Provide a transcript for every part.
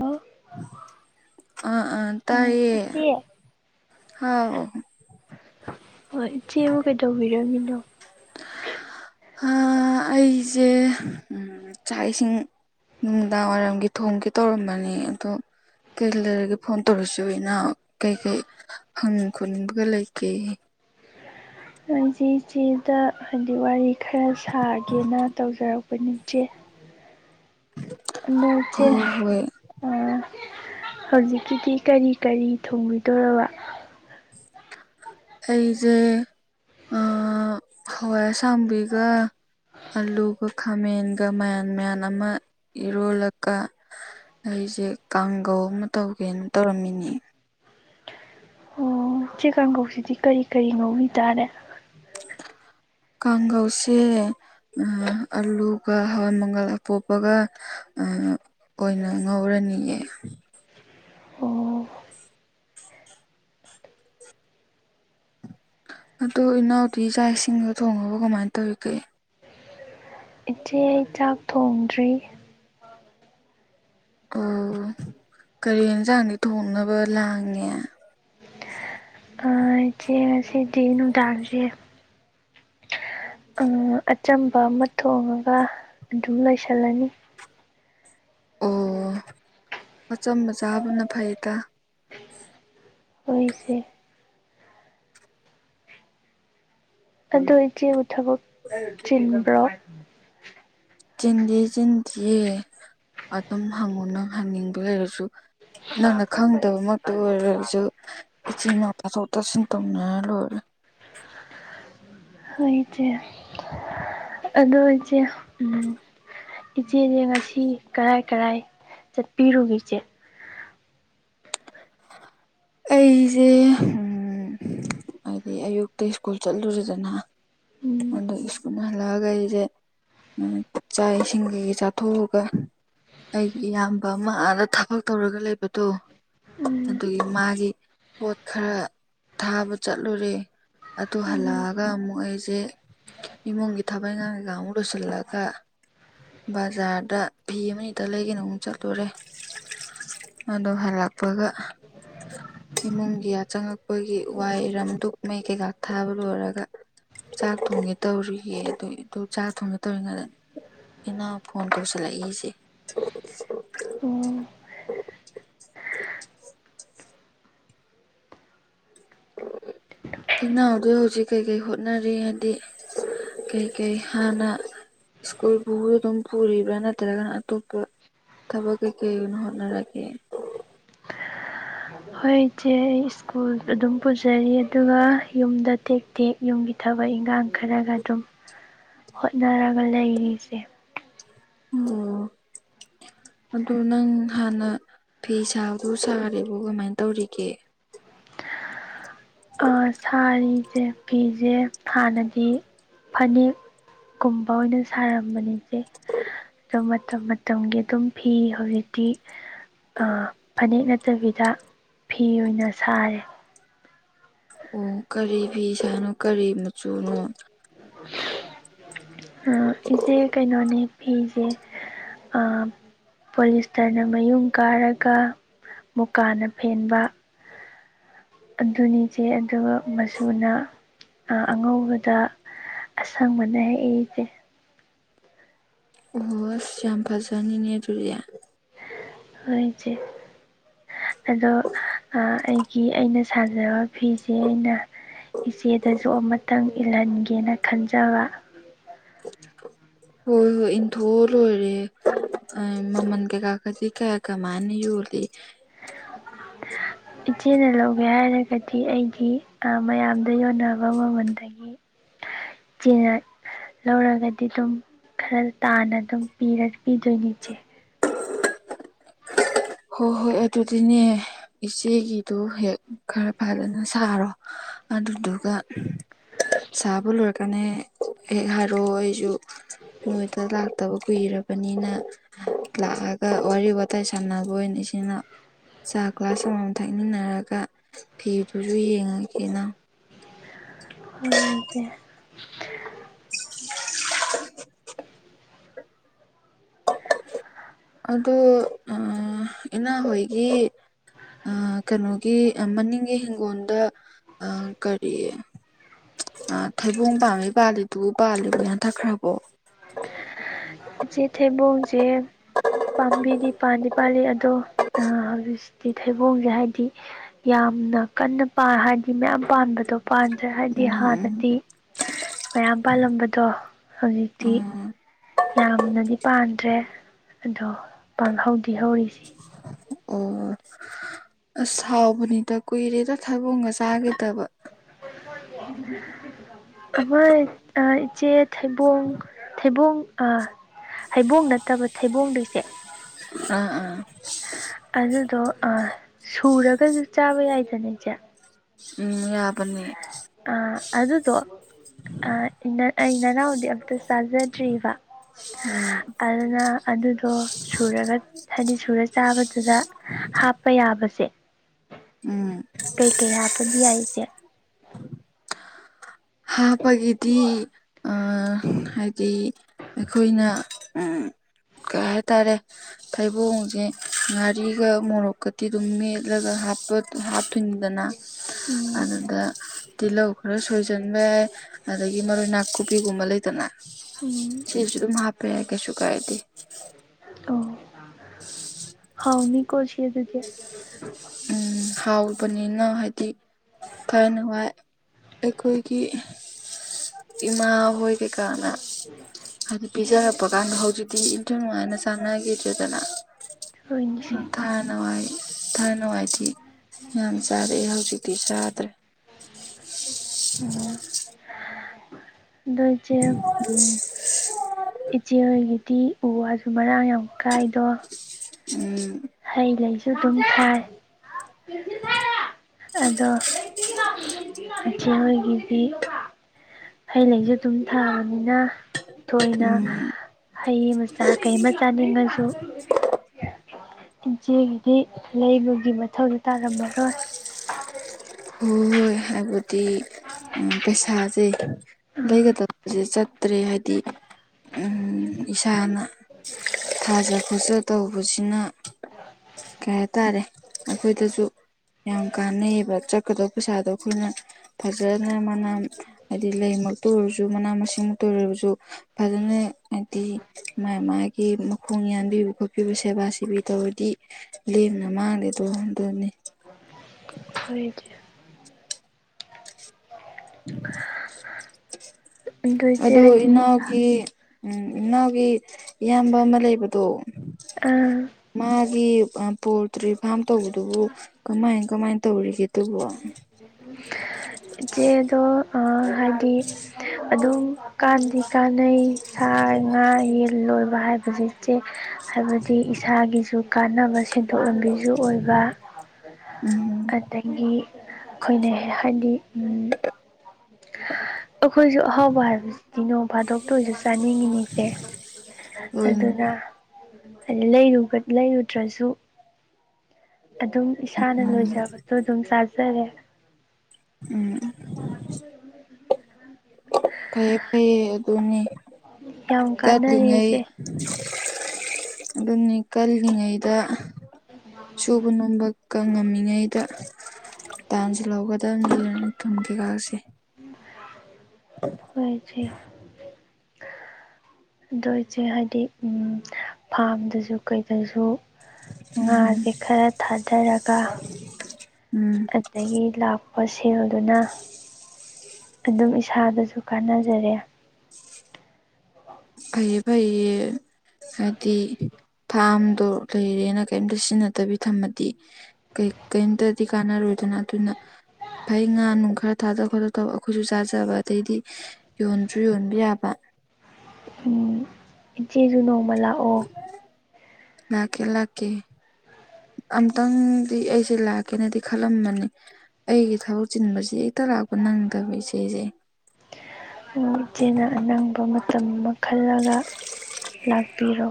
hello ꯑ ꯑꯥ ꯑ ꯇꯥꯏꯌꯦ ꯏꯆꯦ ꯍꯥꯎ ꯍꯣꯏ ꯏꯆꯦꯕꯨ ꯀꯩꯗꯧꯕꯤꯔꯣꯃꯤꯅꯣ ꯑꯩꯁꯦ ꯆꯥꯛ ꯏꯁꯤꯡ ꯅꯨꯡꯗꯥꯡ ꯋꯥꯏꯔꯝꯒꯤ ꯊꯣꯡꯒ ꯇꯧꯔꯝꯕꯅꯦ ꯑꯗ ꯀꯩ ꯂꯩꯔꯒꯦ ꯐꯣꯟ ꯇꯧꯔꯁꯤ ꯑꯩꯅ ꯀꯩꯀꯩ ꯍꯪꯅꯤꯡ ꯈꯣꯠꯅꯤꯡꯕꯒ ꯂꯩꯒꯦ ꯑꯩꯁꯦ ꯏꯆꯦꯗ ꯍꯥꯏꯕꯗꯤ ꯋꯥꯔꯤ ꯈꯔ ꯁꯥꯒꯦꯅ ꯇꯧꯖꯔꯛꯄ ꯅꯤꯆꯦ ꯖꯤꯦ ꯍꯣꯏ ꯍꯣꯏ ꯑ ꯍꯧꯖꯤꯛꯀꯤꯗꯤ ꯀꯔꯤ ꯀꯔꯤ ꯊꯣꯡꯕꯤꯗꯣꯏꯔꯕ ꯑꯩꯁꯦ ꯍꯋꯥꯏ ꯑꯁꯥꯡꯕꯤꯒ ꯑꯂꯨꯒ ꯈꯥꯃꯦꯟꯒ ꯃꯌꯥꯟ ꯃꯌꯥꯟ ꯑꯃ ꯏꯔꯣꯜꯂꯒ ꯑꯩꯁꯦ ꯀꯥꯡꯒꯧ ꯑꯃ ꯇꯧꯒꯦꯅ ꯇꯧꯔꯝꯃꯤꯅꯦ ꯎꯆꯦ ꯀꯥꯡꯕꯨꯧꯁꯤꯗꯤ ꯀꯔꯤ ꯀꯔꯤ ꯉꯧꯕꯤ ꯇꯔꯦ [inaudible] ꯀꯥꯡꯒꯧꯁꯦ ꯑꯂꯨꯒ ꯍꯋꯥꯏ ꯃꯪꯒꯜꯗ ꯄꯣꯛꯞꯄꯒ ꯑꯣꯏꯅ ꯉꯧꯔꯅꯤꯌꯦ ꯑꯣ ꯑꯗꯨꯗ ꯏꯅꯥꯎꯗꯤ ꯏꯆꯥꯥꯛ ꯏꯁꯤꯡꯗ ꯊꯣꯡꯉꯕ ꯀꯃꯥꯏꯅ ꯇꯧꯋꯒꯦ ꯏꯆꯦ ꯑꯩ ꯆꯥꯛ ꯊꯣꯡꯗ꯭ꯔꯤ ꯑꯣ ꯀꯔꯤ ꯌꯦꯟꯁꯥꯡꯗꯤ ꯊꯣꯡꯅꯕ ꯂꯥꯡꯉꯦ ꯑꯆꯦꯁ ꯉꯥꯁꯤꯗꯤ ꯅꯨꯡꯗꯡꯁꯦ ꯑꯆꯝꯕ ꯑꯃ ꯊꯣꯡꯉꯒ ꯑꯗꯨꯝ ꯂꯣꯏꯁꯤꯜꯂꯅꯤ ꯑꯣ ꯑꯆꯝꯕ ꯆꯥꯕꯅ ꯐꯩꯌꯦ ꯇ ꯍꯣꯏ ꯏꯆꯦ ꯑꯗꯣ ꯏꯆꯦꯕꯨ ꯊꯕꯛ ꯆꯤꯟꯕ꯭ꯔꯣ ꯆꯤꯟꯗꯤꯦ ꯆꯤꯟꯁꯤꯌꯦ ꯑꯗꯨꯝ ꯍꯉꯨꯅ ꯅꯡ ꯍꯟꯅꯤꯡꯕ ꯂꯩꯔꯁꯨ ꯅꯪꯅ ꯈꯪꯗꯕꯃꯛꯇ ꯑꯣꯏꯔꯒꯁꯨ ꯏꯆꯤꯟ ꯏꯅꯥꯎ ꯇꯥꯊꯣꯛ ꯇꯥꯁꯤꯟ ꯇꯧꯅꯅ ꯂꯣꯏꯔꯦ [inaudible] ꯍꯣꯏ ꯏꯆꯦ ꯑꯗꯣ ꯏꯆꯦ ꯎꯝ ꯏꯆꯦꯗꯤ ꯉꯁꯤ ꯀꯔꯥꯏ ꯀꯔꯥꯏ ꯆꯠꯄꯤꯔꯨꯒꯦ ꯏꯆꯦ ꯑꯩꯁꯦ ꯍꯥꯏꯗꯤ ꯑꯌꯨꯛꯇ ꯁ꯭ꯀꯨꯜ ꯆꯠꯂꯨꯔꯦꯗꯅ ꯑꯣꯡꯧꯗ ꯏꯁꯀꯨꯂ ꯍꯂꯥꯒ ꯑꯩꯁꯦ ꯆꯥꯛ ꯏꯁꯤꯡ ꯀꯩꯀ ꯆꯥꯊꯣꯛꯑꯒ ꯑꯩꯒꯤ ꯏꯌꯥꯝꯕ ꯑꯃ ꯑꯥꯗ ꯊꯕꯛ ꯇꯧꯔꯒ ꯂꯩꯕꯗꯣ ꯑꯗꯨꯒꯤ ꯃꯥꯒꯤ ꯄꯣꯠ ꯈꯔ ꯊꯥꯕ ꯆꯠꯂꯨꯔꯦ ꯑꯗꯨ ꯍꯜꯂꯛꯑꯒ ꯑꯃꯨꯛ ꯑꯩꯁꯦ ꯏꯃꯨꯡꯒꯤ ꯇꯕꯩ ꯉꯥꯡꯒ ꯑꯔ ꯑꯃꯨꯛ ꯂꯣꯏꯁꯤꯂꯒꯥ ꯕꯖꯥꯔꯗ ꯐꯤ ꯑꯃꯅꯤꯇꯡ ꯂꯩꯒꯅ ꯑꯃꯨꯛ ꯆꯠꯇꯣꯔꯦ ꯑꯗꯣ ꯍꯜꯛꯄꯒ [inaudible] ꯏꯃꯨꯡꯒꯤ ꯑ ꯆꯪꯉꯛꯄꯒꯤ ꯋꯥꯏꯔꯝꯗꯨꯛ ꯃꯩ ꯀꯩꯀꯥ ꯊꯥꯕ ꯂꯣꯏꯔꯒ ꯆꯥꯛ ꯊꯣꯡꯉꯦ ꯇꯧꯔꯤꯌꯦ ꯑꯗꯨ ꯑꯗꯨ ꯆꯥꯛ ꯊꯣꯡꯉꯦ ꯇꯧꯔꯤꯉꯩꯗ ꯏꯅꯥꯑꯣ ꯐꯣꯟ ꯇꯧꯁꯜꯂꯛꯏꯁꯦ ꯑꯣ [inaudible] [inaudible] ꯏꯤꯟꯅꯥꯎꯗ ꯍꯧꯖꯤꯛ ꯀꯩꯀꯩ ꯍꯣꯠꯅꯔꯤ ꯍꯥꯏꯗꯤ ꯀꯩꯀꯩ ꯍꯥꯟꯅ ꯁ꯭ꯀꯨꯜꯕꯨ ꯑꯗꯨꯝ ꯄꯨꯔꯤꯕ꯭ꯔꯥ ꯅꯠꯇ꯭ꯔꯒꯅ ꯑꯇꯣꯞꯄ ꯊꯕꯛ ꯀꯩ ꯀꯩ ꯌꯅ ꯍꯠꯅꯔꯒꯦ ꯍꯣꯏ ꯏꯆꯦ ꯑꯩ ꯁ꯭ꯀꯨꯜ ꯑꯗꯨꯝ ꯄꯨꯖꯔꯤ ꯑꯗꯨꯒ ꯌꯨꯝꯗ ꯇꯦꯛ ꯇꯦꯛ ꯌꯨꯝꯒꯤ ꯊꯕꯛ ꯊꯐꯕꯛ ꯏꯪꯈꯥꯡ ꯈꯔꯒ ꯑꯗꯨꯝ ꯍꯣꯠꯅꯔꯒ ꯂꯩꯔꯤ ꯏꯆꯦ ꯎꯝꯍꯣ [inaudible] ꯑꯗꯣ ꯅꯪ ꯍꯥꯟꯅ ꯐꯤ ꯁꯥꯗꯨ ꯁꯥꯔꯦꯔꯤꯕꯣ ꯀꯃꯥꯏꯅ ꯇꯧꯔꯤꯒꯦ ꯏꯆꯦ ꯐꯤꯁꯦ ꯍꯥꯟꯅꯗꯤ ꯐꯥꯅꯦꯛ ꯀꯨꯨꯝꯕ ꯑꯣꯏꯅ ꯁꯥꯔꯝꯕꯅꯤꯏꯆꯦ ꯑꯗꯨ ꯃꯇꯝ ꯃꯇꯝꯒꯤ ꯑꯗꯨꯝ ꯐꯤ ꯍꯧꯖꯤꯛꯇꯤ ꯐꯅꯦꯛ ꯅꯠꯇꯕꯤꯗ ꯐꯤ ꯑꯣꯏꯅ ꯁꯥꯔꯦ ꯑꯣ ꯀꯔꯤ ꯐ ꯁꯥꯥꯅꯣ ꯀꯔꯤ ꯃꯆꯨꯅꯣ ꯏꯆꯦ ꯀꯩꯅꯣꯅꯦ ꯐꯤꯁꯦ ꯑꯥ ꯄꯣꯂꯤꯁꯇꯔꯅ ꯃꯌꯨꯝ ꯀꯥꯔꯒ ꯃꯨꯀꯥꯅ ꯐꯦꯟꯕ ꯑꯗꯨꯅꯤꯆꯦ ꯑꯗꯨꯒ ꯃꯆꯨꯅ ꯑꯉꯧꯕꯗ ꯑꯁꯥꯡ ꯃꯍꯦ ꯑꯩꯁꯦ ꯍꯣꯁ ꯌꯥꯝ ꯐꯖꯅꯤꯅꯦꯗꯨꯨꯔꯤꯌꯥ ꯍꯣꯏꯆꯦ ꯑꯗꯣ ꯑꯩꯒꯤ ꯑꯩꯅ ꯁꯥꯖꯕ ꯐꯤꯁꯦ ꯑꯩꯅ ꯏꯆꯦꯗꯁꯨ ꯑꯃꯇꯪ ꯏꯜꯍꯟꯒꯦꯅ ꯈꯟꯖꯕ ꯍꯣꯏ ꯍꯣꯏ ꯏꯟꯊꯣ ꯂꯣꯏꯔꯦ ꯑ ꯃꯃꯟ ꯀꯦ ꯀꯥꯀꯗꯤ ꯀꯌꯥ ꯀꯃꯥꯏꯅꯤ ꯌ ꯑꯣꯏꯗꯤ ꯏꯆꯦꯅ ꯂꯧꯒꯦ ꯍꯥꯏꯔꯒꯗꯤ ꯑꯩꯒꯤ ꯃꯌꯥꯝꯗ ꯌꯣꯟꯅꯕ ꯃꯃꯜꯗꯒꯤ ꯆꯟꯅ ꯂꯧꯔꯒꯗꯤ ꯑꯗꯨꯝ ꯈꯔ ꯇꯥꯅ ꯑꯗꯨꯝ ꯄ ꯄꯤꯗꯣꯏꯅꯤ ꯏꯆꯦ ꯍꯣꯏ ꯍꯣꯏ ꯑꯗꯨꯗꯤꯅꯦ ꯏꯆꯦꯒꯤꯗꯨꯣ ꯍꯦꯛ ꯈꯔ ꯐꯖꯅ ꯁꯥꯔꯣ ꯑꯗꯨꯗꯨꯒ ꯁꯥꯕ ꯂꯣꯏꯔꯀꯅꯤ ꯍꯦꯛ ꯍꯥꯏꯔꯛꯑꯣ ꯑꯩꯁꯨ ꯅꯣꯏꯗ ꯂꯥꯛꯇꯕ ꯀꯨꯏꯔꯕ ꯕꯅꯤꯅ ꯂꯥꯛꯑꯒ ꯋꯥꯔꯤ ꯋꯥꯋꯇꯥꯏ ꯁꯥꯟꯅꯕ ꯑꯣꯏꯅ ꯏꯁꯤꯅ ꯆꯥꯛ ꯒ꯭ꯂꯥꯁ ꯑꯃꯃꯝ ꯊꯛꯃꯤꯟꯅꯔꯒ ꯐꯤꯗꯨꯁꯨ ꯌꯦꯡꯉꯒꯦꯅ ꯍꯥꯏꯁꯦ [unintelligible] ol ꯑꯗ ꯑ ꯏꯅꯥ ꯍꯣꯏꯒꯤ ꯑ ꯀꯩꯅꯣꯒꯤ ꯃꯅꯤꯡꯒꯤ ꯍꯤꯡꯒꯣꯜꯗ ꯑ ꯀꯔꯤꯌꯦ ꯊꯩꯕꯨꯡ ꯄꯥꯝꯃꯤ ꯄꯥꯜꯂꯤꯗꯨ ꯄꯥꯜꯂꯤꯕ ꯍꯟꯊꯈ꯭ꯔꯕꯣ ꯏꯆꯦ ꯊꯩꯕꯣꯡꯁꯦ ꯄꯥꯝꯕꯤꯗꯤ ꯄꯥꯟꯗꯤ ꯄꯥꯜꯂꯤ ꯑꯗꯣ ꯍꯧꯖꯤ ꯊꯩꯕꯣꯡꯁꯦ ꯍꯥꯏꯗꯤ ꯌꯥꯝꯅ ꯀꯟꯅ ꯍꯥꯏꯗꯤ ꯃꯌꯥꯝ ꯄꯥꯟꯕꯗꯣ ꯄꯥꯟꯗ꯭ꯔꯦ ꯍꯥꯏꯗꯤ ꯎꯝ ꯍꯥꯟꯅꯗꯤ ꯃꯌꯥꯝ ꯄꯥꯜꯂꯝꯕꯗꯣ ꯍꯧꯖꯤꯛꯇꯤ ꯎꯝ ꯌꯥꯝꯅꯗꯤ ꯄꯥꯟꯗ꯭ꯔꯦ ꯑꯗꯣ ꯄꯥꯡꯍꯧꯗꯤꯤ ꯍꯧꯧꯔꯤꯁꯤꯦ ꯑꯣ ꯑꯁ ꯍꯥꯎꯕꯅꯤꯗ ꯀꯨꯏꯔꯦꯗ ꯊꯕꯣꯡꯒ ꯆꯥꯒꯗꯕ ꯑꯃꯣꯏ ꯑꯆꯦ ꯊꯩꯕꯣꯡ ꯊꯩꯕꯣꯡ ꯍꯩꯕꯣꯡ ꯅꯠꯇꯕ ꯊꯩꯕꯣꯡꯗꯣꯏꯁꯦ ꯑꯥ ꯑꯥ ꯑꯗꯨꯗꯣ ꯁꯨꯔꯒꯁꯨ ꯆꯥꯕ ꯌꯥꯏꯗꯅ ꯏꯆꯦ ꯎꯝ ꯌꯥ ꯑ ꯑꯗꯨꯗꯣ ꯑ ꯏ ꯏ ꯅꯅꯥꯎꯗꯤ ꯑꯛꯇ ꯆꯥꯖꯗ꯭ꯔꯤꯕ ꯎꯝ ꯑꯗꯨꯅ ꯑꯗꯨꯗꯣ ꯁꯨꯔꯒ ꯍꯥꯏꯗꯤ ꯁꯨꯔ ꯆꯥꯕꯗꯨꯗ ꯍꯥꯞꯄ ꯌꯥꯕꯁꯦ ꯎꯝ ꯀꯩ ꯀꯩ ꯍꯥꯗꯤ ꯌꯥꯏꯁꯦ ꯍꯥꯞꯄꯒꯤꯗꯤ ꯍꯥꯏꯗꯤ ꯑꯩꯈꯣꯏꯅ [inaudible] ꯀꯩ ꯍꯥꯏꯇꯥꯔꯦ ꯊꯩꯕꯣꯡꯁꯦ ꯉꯥꯔꯤꯒ ꯃꯣꯔꯣꯛꯀꯗꯤ ꯑꯗꯨꯝ ꯃꯦꯠꯂꯒ ꯍꯥꯞꯄ ꯄꯣꯠꯇꯨ ꯍꯥꯞꯊꯤꯟꯗꯅ ꯎꯝ ꯑꯗꯨꯗ ꯇꯤꯜꯍꯧ ꯈꯔ ꯁꯣꯏ ꯆꯟꯕ ꯑꯗꯒꯤ ꯃꯔꯣꯏ ꯅꯥꯀꯨꯞꯄꯤꯒꯨꯝꯕ ꯂꯩꯇꯅ ꯎꯝ ꯁꯤꯁ ꯃꯍꯥꯛ ꯄꯦ ꯀꯌꯥꯁꯨꯀꯥꯏꯠꯇꯤ ꯑꯣ ꯍꯥꯎꯥꯎꯅꯤ ꯀꯣꯁꯤꯦ ꯑꯗꯨꯗꯤ ꯎꯝ ꯍꯥꯎ ꯄꯅꯤꯅ ꯍꯥꯏꯗꯤ ꯊꯥꯏ ꯅꯨꯡꯉꯥꯏ ꯑꯩꯈꯣꯏꯒꯤ ꯏꯃꯍꯥꯏ ꯀꯩꯀꯥꯅ ꯍꯥꯏꯗꯤ ꯄꯤꯖꯔꯛꯄ ꯀꯥꯟꯗ ꯍꯧꯖꯤꯛꯇꯤ ꯏꯟꯊꯨ ꯅꯨꯡꯉꯥꯏꯅ ꯆꯥꯟꯅꯈꯤ ꯗꯅ ꯊꯣꯏꯅꯤꯁꯦ ꯊꯥ ꯅꯨꯡꯉꯥꯏ ꯊ ꯅꯨꯡꯉꯥꯏ ꯗꯤ ꯌꯥꯝ ꯆꯥꯔꯛꯑꯦ ꯍꯧꯖꯤꯛꯇꯤ ꯆꯥꯗ꯭ꯔꯦ ꯑꯣꯝ ꯑꯗꯥꯅ ꯏꯆ‌ꯦ ꯎꯝ ꯏꯆ‌ꯦꯍꯥꯏꯒ ꯇꯤ ꯎ ꯋꯥꯁꯨ ꯃꯔꯥꯡ ꯌꯥꯝ ꯀꯥꯏꯗꯣ ꯎꯝ ꯍꯩ ꯂꯩꯁꯨ ꯑꯗꯨꯝ ꯊꯥꯏ ꯑꯗꯣ ꯆꯣꯏꯍꯥꯏꯒꯤꯗꯤ ꯍꯩ ꯂꯩꯁꯨ ꯑꯗꯨꯝ ꯊꯥꯕꯅꯤꯅ ꯊꯣꯏꯅ ꯎꯝ ꯍꯩ ꯃꯆꯥ ꯀꯩꯃ ꯆꯥꯅꯤꯡꯉꯁꯨ ꯏꯆꯦꯒꯤꯗꯤ ꯂꯩꯕꯒꯤ ꯃꯊꯧꯗ ꯇꯥꯔꯝꯃꯔꯣꯏ ꯍꯣꯏ ꯍꯣꯏ ꯍꯥꯏꯕꯗꯤ ꯎ ꯄꯩꯁꯥꯁꯦ ꯎꯝ ꯂꯩꯒꯗꯕꯁꯦ ꯆꯠꯇ꯭ꯔꯦ ꯍꯥꯏꯕꯗꯤ ꯏꯁꯥꯅ ꯊꯥꯖ ꯈꯣꯠꯆ ꯇꯧꯕꯁꯤꯅ ꯀꯩ ꯍꯥꯏꯇꯥꯔꯦ ꯑꯩꯈꯣꯏꯗꯁꯨ ꯌꯥꯝ ꯀꯥꯟꯅꯩꯑꯕ ꯀꯗꯥꯕ ꯄꯩꯁꯥꯗꯣ ꯑꯩꯈꯣꯏꯅ ꯐꯖꯅ ꯃꯅꯥ ꯍꯥꯏꯗꯤ ꯂꯩꯃꯛꯇ ꯑꯣꯏꯔꯁꯨ ꯃꯅꯥ ꯃꯁꯤꯡꯃꯛꯇ ꯑꯣꯏꯔꯕꯁꯨ ꯐꯖꯅ ꯍꯥꯏꯗꯤ ꯃꯥ ꯃꯥꯒꯤ ꯃꯈꯣꯡ ꯌꯥꯟꯕꯤꯕ ꯈꯣꯠꯄꯤꯕ ꯁꯦꯕꯥ ꯥ ꯁꯤꯕꯤ ꯇꯧꯔꯗꯤ ꯂꯦꯝꯅ ꯃꯥꯡꯗꯦꯗꯣ ꯑꯗꯨꯅꯤ ꯎ [unintelligible] [inaudible] ꯑꯗꯨ ꯏꯆꯦ ꯑꯗꯣ ꯍꯥꯏꯗꯤ ꯏꯎꯒꯤ ꯎꯝ ꯏꯅꯥꯎꯒꯤ ꯏꯌꯥꯝꯕ ꯑꯃ ꯂꯩꯕꯗꯣ ꯃꯥꯒꯤ ꯄꯣꯜꯇ꯭ꯔꯤ ꯐꯥꯔꯝ ꯇꯧꯕꯗꯨꯕꯨ ꯀꯃꯥꯏ ꯀꯃꯥꯏꯅ ꯇꯧꯔꯤꯒꯦ ꯑꯗꯨꯕꯣ [unintelligible] ꯏꯆꯦꯗꯣ ꯍꯥꯏꯗꯤ ꯑꯗꯨꯝ ꯀꯥꯟꯗꯤ ꯀꯥꯟ ꯅꯩ ꯁꯥ ꯉꯥ ꯌꯦꯟ ꯂꯣꯏꯕ ꯍꯥꯏꯕꯕꯁꯤ ꯆꯦ ꯍꯥꯏꯕꯗꯤ ꯏꯁꯥꯒꯤꯁꯨ ꯀꯥꯟꯅꯕ ꯁꯦꯟꯊꯣꯛ ꯂꯝꯕꯤꯁꯨ ꯑꯣꯏꯕ ꯎꯝ ꯑꯗꯒꯤ ꯑꯩꯈꯣꯏꯅ ꯍꯥꯏꯗꯤ ꯑꯩꯈꯣꯏꯁꯨ ꯑꯍꯥꯎꯕ ꯍꯥꯏꯕꯁꯤꯗꯤ ꯅꯣ ꯐꯥꯗꯣꯛꯇ ꯑꯣꯏꯁꯨ ꯆꯥꯅꯤꯡꯉꯤꯅꯤꯁꯦ ꯍꯣꯏ ꯑꯗꯨꯅ ꯍꯥꯏꯗꯤ ꯂꯩꯔꯨꯗ꯭ꯔꯁꯨ ꯑꯗꯨꯝ ꯏꯁꯥꯅ ꯎꯝ ꯂꯣꯏꯖꯕꯗꯣ ꯑꯗꯨꯝ ꯆꯥꯖꯔꯦ ꯎꯝ [unintelligible] ꯐꯩꯌꯦ ꯐꯩꯌꯦ ꯑꯗꯨꯅꯤ ꯌꯥꯝ ꯀꯥꯟꯅꯔꯦ ꯀꯜꯂꯤꯉꯩ ꯏꯆꯦ ꯑꯗꯨꯅꯤ ꯀꯜꯂꯤꯜꯂꯤꯉꯩꯗ ꯁꯨꯕ ꯅꯣꯝꯕ ꯀ ꯉꯝꯃꯤꯉꯩꯗ ꯇꯥꯟꯁꯦ ꯂꯧꯒꯗꯕꯅꯤ ꯊꯨꯝ ꯀꯩꯀꯥꯁꯦ ꯍꯣꯏ ꯏꯆ‌ꯦ ꯑꯗꫭ ꯏꯆꯦ ꯍꯥꯏꯗꯤ ꯐꯥꯔꯝꯗꯁꯨ ꯀꯩꯗꯁꯨ ꯎꯝ ꯉꯥꯁꯦ ꯈꯔ ꯊꯥꯗꯔꯒ ꯎꯝ ꯑꯗꯒꯤ ꯂꯥꯛꯄ ꯁꯦꯜꯗꯨꯅ ꯑꯗꯨꯝ ꯏꯁꯥꯗꯁꯨ ꯀꯥꯟꯅꯖꯔꯦ ꯐꯩꯌ‌ꯩ ꯐꯩꯌ‌ꯦ ꯍꯥꯏꯗꯤ ꯐꯥꯝꯗꯣ ꯂꯩꯔꯦꯅ ꯀꯩꯝꯇ ꯁꯤꯖꯤꯟꯅꯗꯕꯤ ꯊꯝꯃꯗꯤ ꯀꯔꯤꯝꯇꯗꯤ ꯀꯥꯟꯅꯔꯣꯏ ꯑꯗꯨꯅ ꯑꯗꯨꯅ ꯐꯩ ꯉꯥ ꯅꯨꯡ ꯈꯔ ꯊꯥꯗꯣꯛ ꯈꯣꯠꯇꯣꯛ ꯇꯕ ꯑꯩꯈꯣꯏꯁꯨ ꯆꯥꯖꯕ ꯑꯗꯩꯗꯤ ꯌꯣꯟꯗ꯭ꯔꯁꯨ ꯌꯣꯟꯕ ꯌꯥꯕ ꯎ [unintelligible] ꯏꯆꯦꯁꯨ ꯅꯣꯡꯃ ꯂꯥꯛꯑꯣ ꯂꯥꯛꯀꯦ ꯂꯥꯛꯀ‌ꯦ ꯑꯝꯇꯪꯗꯤ ꯑꯩꯁꯦ ꯂꯥꯛꯀꯦꯅꯗꯤ ꯈꯜꯂꯝꯃꯅꯤ ꯑꯩꯒꯤ ꯊꯕꯛ ꯆꯤꯟꯕꯁꯤ ꯆꯠꯇꯔꯛꯀꯣ ꯅꯪꯗꯕꯤ ꯏꯆꯦꯁꯦ ꯏꯆꯦꯅ ꯑꯅꯪꯕ ꯃꯇꯝꯅ ꯈꯜꯂꯒ ꯂꯥꯛꯄꯤꯔꯣ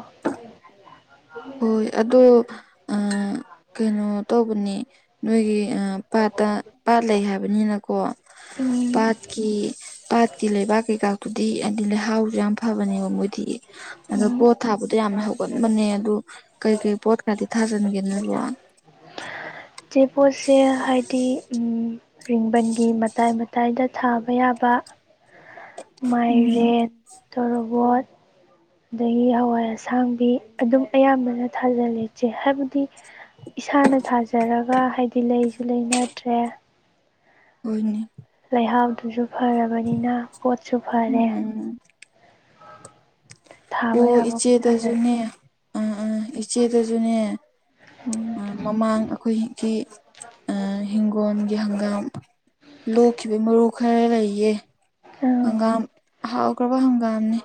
ꯍꯣꯏ ꯑꯗꯣ ꯀꯩꯅꯣ ꯇꯧꯕꯅꯦ ꯅꯣꯏꯒꯤ ꯄꯥꯠꯇ ꯄꯥꯠ ꯂꯩ ꯍꯥꯏꯕꯅꯤꯅꯀꯣ ꯄꯥꯠꯀꯤ ꯄꯥꯠꯀꯤ ꯂꯩꯕꯥꯛ ꯀꯩꯀꯥꯗꯨꯨꯗꯤ ꯍꯥꯏꯗꯤ ꯂꯩꯍꯥꯎꯁꯨ ꯌꯥꯝ ꯐꯕꯅꯦꯕ ꯃꯣꯏꯗꯤ ꯑꯗꯣ ꯄꯣꯠ ꯊꯥꯕꯗꯣ ꯌꯥꯝꯅ ꯍꯧꯒꯟꯕꯅꯦ ꯑ ꯀꯩꯀꯩ ꯄꯣꯠꯀꯗꯤ ꯊꯥꯖꯟꯒꯦ ꯅꯕꯣ ꯆꯆꯦ ꯄꯣꯠꯁꯦ ꯍꯥꯏꯗꯤ ꯔꯤꯡꯕꯟꯒꯤ ꯃꯇꯥꯏ ꯃꯇꯥꯏꯗ ꯊꯥꯕ ꯌꯥꯕ ꯃꯥꯏꯔꯦꯟ ꯇꯣꯔꯣꯕꯣꯠ ꯑꯗꯒꯤ ꯍꯋꯥꯏ ꯑꯁꯥꯡꯕꯤ ꯑꯗꯨꯝ ꯑꯌꯥꯝꯕꯅ ꯊꯥꯖꯤꯜꯂꯦꯆꯦ ꯍꯥꯏꯕꯗꯤ ꯏꯁꯥꯅ ꯊꯥꯖꯔꯒ ꯍꯥꯏꯕꯗꯤ ꯂꯩꯁꯨ ꯂꯩꯅꯗ꯭ꯔꯦ ꯍꯣꯏꯅꯦ ꯂꯩꯍꯥꯎꯗꯨꯁꯨ ꯐꯔꯕꯅꯤꯅ ꯄꯣꯠꯁꯨ ꯐꯔꯦ ꯊꯥꯕ ꯑꯣ ꯌꯥꯕꯈꯩ ꯊꯥꯖꯜꯂꯦ ꯏꯆꯦꯗꯁꯨꯅꯦ ꯑꯥ ꯑꯥ ꯏꯆꯦꯗꯁꯨꯅꯦ ꯎꯝ ꯃꯃꯥꯡ ꯑꯩꯈꯣꯏꯒꯤ ꯏꯤꯡꯒꯣꯜꯒꯤ ꯍꯪꯒꯥꯝ ꯂꯣꯛꯈꯤꯕ ꯃꯔꯨ ꯈꯔ ꯂꯩꯌꯦ ꯑꯥ ꯍꯪꯒꯥꯝ ꯍꯥꯎꯈ꯭ꯔꯕ ꯍꯪꯒꯥꯝꯅꯦ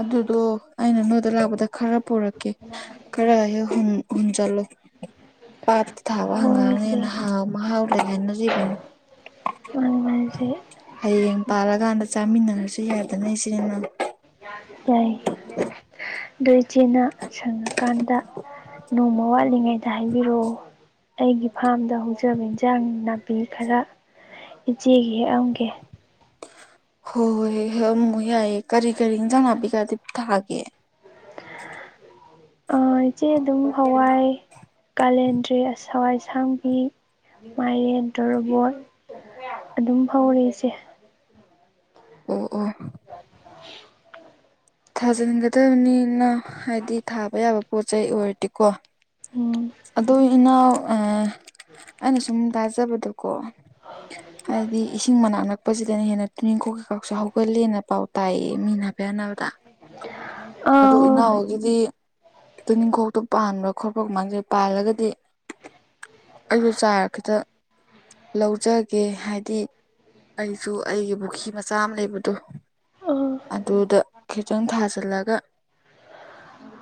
ꯑꯗꯨꯗꯣ ꯑꯩꯅ ꯅꯣꯏꯗ ꯂꯥꯛꯄꯗ ꯈꯔ ꯄꯨꯔꯛꯀꯦ ꯈꯔ ꯍꯥꯏꯦ ꯍꯨꯟ ꯆꯠꯂꯣ ꯄꯊ ꯊꯥꯕ ꯍꯣꯏ ꯍꯒꯥꯅꯤꯅ ꯏꯆꯦ ꯍꯥꯎ ꯃꯍꯥꯎꯗꯅꯖꯤꯕꯅꯤ ꯃꯔꯃꯁꯦ ꯍꯌꯦꯡ ꯄꯥꯜꯂꯀꯥꯟꯗ ꯆꯥꯃꯤꯟꯅꯔꯁꯨ ꯌꯥꯗꯅ ꯁꯤꯅꯦꯃꯥ ꯌꯥꯏ ꯑꯗꯨꯣꯏꯆꯤꯅ ꯁꯪꯉꯀꯥꯟꯗ ꯅꯣꯡꯃ ꯋꯥꯠꯂꯤꯉꯩꯗ ꯍꯥꯏꯕꯤꯔꯛꯑꯣ ꯑꯩꯒꯤ ꯐꯥꯔꯝꯗ ꯍꯧꯖꯕ ꯏꯟꯁꯥꯡ ꯅꯥꯄꯤ ꯈꯔ ꯏꯖꯤꯦꯒꯤ ꯑꯃꯦ ꯍꯣꯏ ꯍꯣꯏ ꯑꯃꯝꯃꯛ ꯌꯥꯏꯑꯌꯦ ꯀꯔꯤ ꯀꯔꯤ ꯏꯟꯖꯥꯟ ꯅꯥꯄꯤꯒꯗꯤ ꯊꯥꯒꯦ ꯑ ꯏꯆꯦ ꯑꯗꯨꯝ ꯍꯋꯥꯏ ꯀꯥꯂꯦꯟꯗ꯭ꯔꯔꯤ ꯑꯁ ꯍꯋꯥꯏ ꯁꯥꯡꯕꯤ ꯃꯥꯏꯔꯦꯟ ꯇꯣꯔꯕꯣꯠ ꯑꯗꯨꯝ ꯍꯧꯔꯦ ꯏꯁꯦ ꯑꯣ ꯑꯣ [inaudible] ꯊꯥꯖꯤꯟꯒꯗꯕꯅꯤꯅ ꯍꯥꯏꯕꯗꯤ ꯊꯥꯕ ꯌꯥꯕ ꯄꯣꯠ ꯆꯩꯩ ꯑꯣꯏꯔꯗꯤꯀꯣ ꯎꯝ ꯑꯗꯨ ꯏꯅꯥꯎ ꯑꯩꯅ ꯁꯨꯝ ꯇꯥꯖꯕꯗꯣ ꯀꯣ ꯍꯥꯏꯗꯤ ꯏꯁꯤꯡ ꯃꯅꯥꯛ ꯅꯛ ꯀꯛꯄꯁꯤꯗꯅ ꯍꯦꯟꯅ ꯇꯨꯅꯤꯡ ꯀꯣꯛ ꯀꯩꯀꯥꯎꯁꯨ ꯍꯧꯒꯠꯂꯦꯅ ꯄꯥꯎ ꯇꯥꯏꯌꯦ ꯃꯤꯅ ꯍꯥꯏꯐꯦ ꯑꯕꯗ ꯑꯥ ꯑꯗꯨ ꯍꯣꯏ ꯏꯅꯥꯎꯒꯤꯗꯤ ꯑꯗꯨ ꯅꯤꯡꯈꯣꯛꯇꯣ ꯄꯥꯟꯕ꯭ꯔꯥ ꯈꯣꯠꯄ꯭ꯔ ꯀꯃꯥꯡꯖꯩ ꯄꯥꯜꯂꯒꯗꯤ ꯑꯩꯁꯨ ꯆꯥꯔ ꯈꯤꯇ ꯂꯧꯖꯒꯦ ꯍꯥꯏꯗꯤ ꯑꯩꯁꯨ ꯑꯩꯒꯤ ꯄꯨ꯭ ꯃꯆꯥ ꯑꯃ ꯂꯩꯕꯗꯣ ꯑꯥ ꯑꯗꯨꯗ ꯈꯤꯇꯪ ꯊꯥꯖꯤꯜꯂꯒ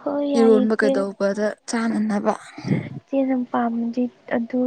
ꯍꯣꯏ ꯏꯔꯣꯟꯕ ꯀꯩꯗꯧꯕꯗ ꯆꯥꯅꯅꯕ ꯆꯦꯅ ꯄꯥꯝꯃꯦꯗꯤ ꯑꯗꯨ